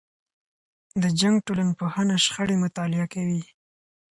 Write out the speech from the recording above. د جنګ ټولنپوهنه شخړې مطالعه کوي.